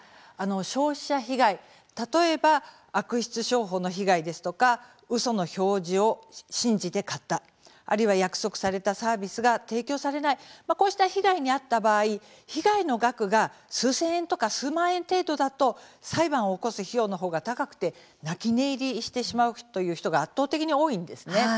消費者被害、例えば悪質商法の被害ですとかうその表示を信じて買ったあるいは約束されたサービスが提供されないこうした被害に遭った場合被害の額が数千円とか数万円程度など裁判を起こす費用の方が高くて泣き寝入りする人が圧倒的に多いんです。